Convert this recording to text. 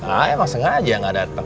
ah emang sengaja gak datang